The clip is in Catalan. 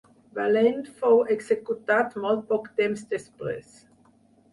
Valent fou executat molt poc temps després.